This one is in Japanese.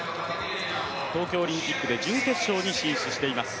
東京オリンピックで準決勝に進出しています。